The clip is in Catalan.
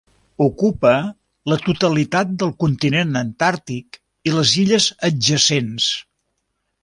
Ocupa la totalitat del continent antàrtic i les illes adjacents.